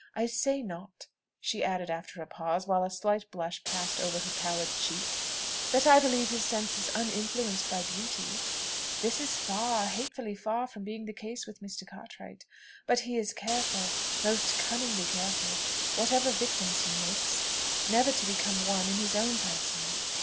I say not," she added after a pause, while a slight blush passed over her pallid cheek, "that I believe his senses uninfluenced by beauty; this is far, hatefully far from being the case with Mr. Cartwright; but he is careful, most cunningly careful, whatever victims he makes, never to become one in his own person.